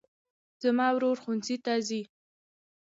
زما ورور ښوونځي ته ځي